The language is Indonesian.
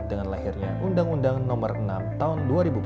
dengan lahirnya undang undang nomor enam tahun dua ribu empat belas